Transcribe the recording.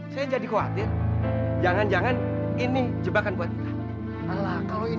semuanya serba terbuat dari emas